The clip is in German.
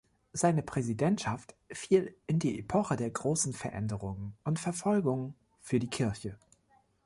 Seine Präsidentschaft fiel in die Epoche der großen Veränderungen und Verfolgungen für die Kirche.